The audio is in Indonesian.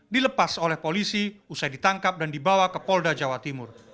dilepas oleh polisi usai ditangkap dan dibawa ke polda jawa timur